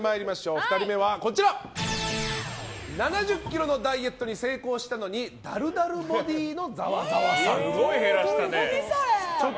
２人目は７０ｋｇのダイエットに成功したのにだるだるボディのざわざわさん。